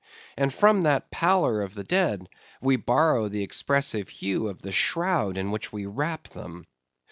And from that pallor of the dead, we borrow the expressive hue of the shroud in which we wrap them.